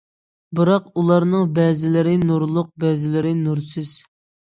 بىراق ئۇلارنىڭ بەزىلىرى نۇرلۇق، بەزىلىرى نۇرسىز.